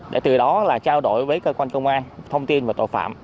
để từ đó là trao đổi với cơ quan công an thông tin về tội phạm